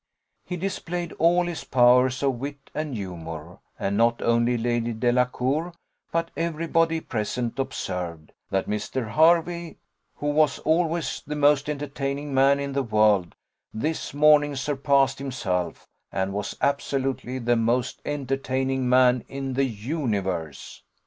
He displayed all his powers of wit and humour; and not only Lady Delacour but every body present observed, "that Mr. Hervey, who was always the most entertaining man in the world, this morning surpassed himself, and was absolutely the most entertaining man in the universe."